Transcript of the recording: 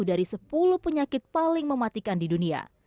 sepuluh dari sepuluh penyakit paling mematikan di dunia